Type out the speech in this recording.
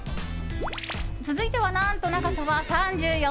続いては、何と長さは３４ｃｍ！